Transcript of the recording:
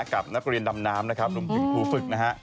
กับนักเรียนดำน้ำนะครับหนุ่มถึงภูฟฤกษ์นะฮะ